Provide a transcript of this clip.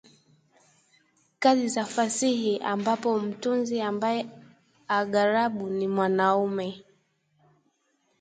kazi za fasihi ambapo mtunzi ambaye aghalabu ni mwanaume